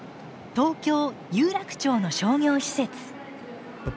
東京・有楽町の商業施設。